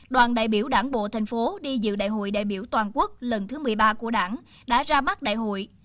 đoàn đại biểu đảng bộ thành phố đi dự đại hội đại biểu toàn quốc lần thứ một mươi ba của đảng đã ra mắt đại hội